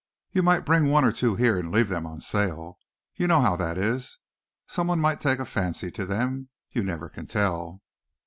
"You might bring one or two here and leave them on sale. You know how that is. Someone might take a fancy to them. You never can tell."